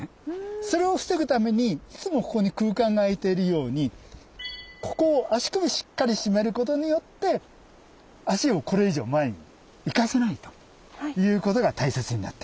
それを防ぐためにいつもここに空間が空いているようにここを足首しっかり締めることによって足をこれ以上前に行かせないということが大切になってきます。